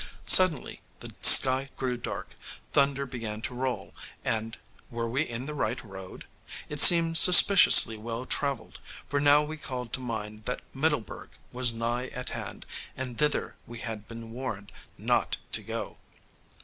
Suddenly the sky grew dark: thunder began to roll, and were we in the right road? It seemed suspiciously well travelled, for now we called to mind that Middleburg was nigh at hand, and thither we had been warned not to go.